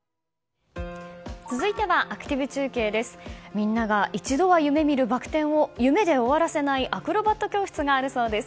みんなが一度は夢見るバク転を夢で終わらせないアクロバット教室があるそうです。